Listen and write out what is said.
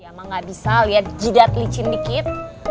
ya emang gak bisa liat jidat licin dikit